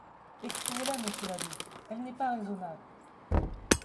Excusez-la, monsieur l'abbé, elle n'est pas raisonnable.